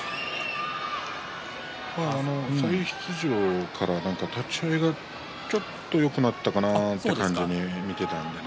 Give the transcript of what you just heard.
再出場から立ち合いがちょっとよくなったかなという感じですね